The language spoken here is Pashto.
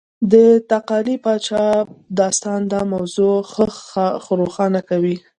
د تقالي پاچاهۍ داستان دا موضوع ښه روښانه کوي.